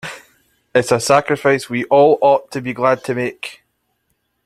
It's a sacrifice we all ought to be glad to make.